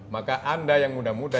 maka anda yang muda muda